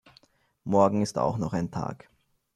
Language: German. Morgen ist auch noch ein Tag.